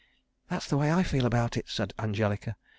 "That's the way I feel about it," said Angelica.